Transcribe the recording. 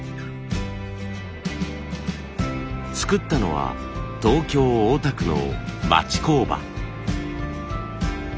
作ったのは東京・大田区の町工場。